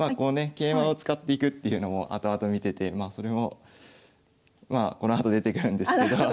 桂馬を使っていくっていうのもあとあと見ててそれもまあこのあと出てくるんですけど。